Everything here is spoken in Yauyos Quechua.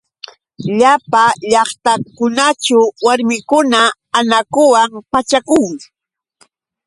Llapa llaqtakunaćhu warmikuna anakuwan pachakun.